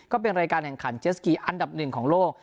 ก็เป็นรายการแห่งขันเจสกีอันดับหนึ่งของโลก